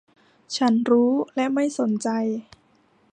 ฉันรู้ และไม่สนใจ